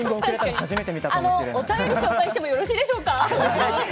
お便りを紹介してもよろしいでしょうか。